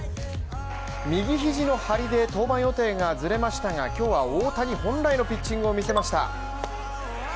右肘の張りで登板予定がずれましたが、今日は大谷本来のピッチングを見せました。